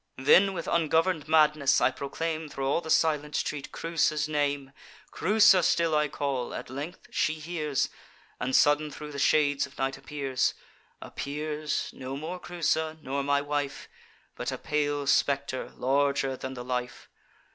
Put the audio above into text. Then, with ungovern'd madness, I proclaim, Thro' all the silent street, Creusa's name: Creusa still I call; at length she hears, And sudden thro' the shades of night appears. Appears, no more Creusa, nor my wife, But a pale spectre, larger than the life.